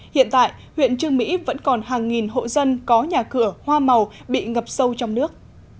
hiện tại huyện trương mỹ vẫn còn hàng nghìn hộ dân có nhà cửa hoa màu bị ngập sâu trong nước